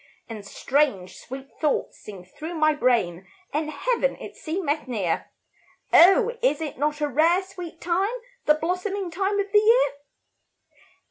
And strange, sweet thoughts sing through my brain, And Heaven, it seemeth near; Oh, is it not a rare, sweet time, The blossoming time of the year?